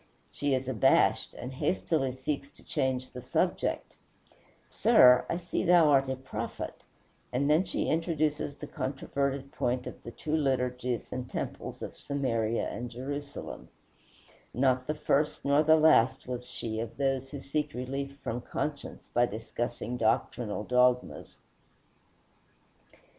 She is abashed, and hastily seeks to change the subject: "Sir, I see thou art a prophet;" and then she introduces the controverted point of the two liturgies and temples of Samaria and Jerusalem, not the first nor the last was she of those who seek relief from conscience by discussing doctrinal dogmas.